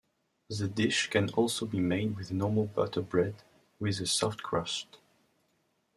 The dish can also be made with normal butter bread, with a soft crust.